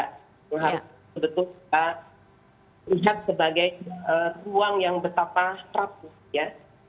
kita harus sebetul betul lihat sebagai ruang yang betapa rapuh ya